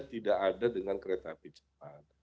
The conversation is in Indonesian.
tidak ada dengan kereta api cepat